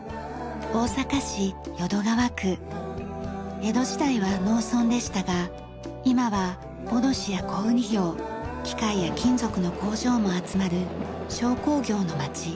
江戸時代は農村でしたが今は卸や小売業機械や金属の工場も集まる商工業の街。